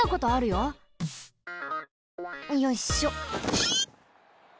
よいしょ。